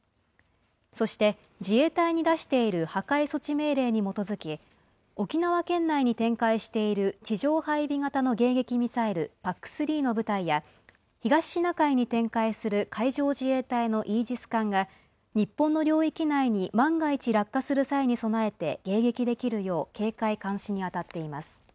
そして、自衛隊に出している破壊措置命令に基づき、沖縄県内に展開している地上配備型の迎撃ミサイル、ＰＡＣ３の部隊や、東シナ海に展開する海上自衛隊のイージス艦が日本の領域内に万が一落下する際に備えて、迎撃できるよう警戒監視に当たっています。